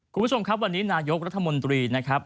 คุณผู้ชมครับวันนี้นายกรัฐมนตรีนะครับ